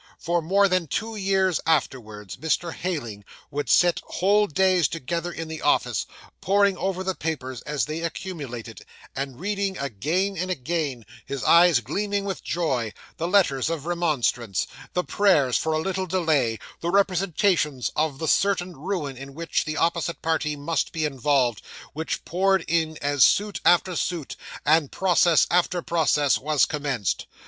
For more than two years afterwards, Mr. Heyling would sit whole days together, in the office, poring over the papers as they accumulated, and reading again and again, his eyes gleaming with joy, the letters of remonstrance, the prayers for a little delay, the representations of the certain ruin in which the opposite party must be involved, which poured in, as suit after suit, and process after process, was commenced.